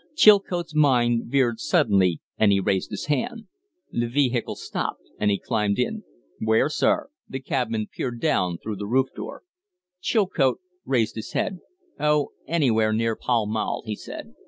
Chilcote's mind veered suddenly and he raised his hand. The vehicle stopped and he climbed in. "Where, sir?" The cabman peered down through the roof door. Chilcote raised his head. "Oh, anywhere near Pall Mall," he said.